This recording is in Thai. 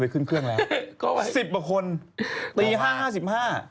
เยอะ